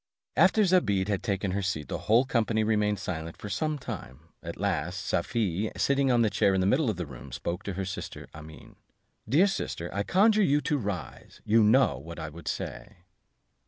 After Zobeide had taken her seat, the whole company remained silent for some time; at last, Safie, sitting on a chair in the middle of the room, spoke to her sister Amene, "Dear sister, I conjure you to rise; you know what I would say."